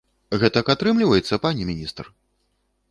Гэтак атрымліваецца, пане міністр?